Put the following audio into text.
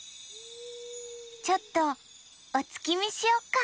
ちょっとおつきみしよっか。